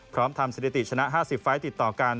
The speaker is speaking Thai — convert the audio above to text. พร้อมทำสถิติชนะ๕๐ไฟล์ติดต่อกัน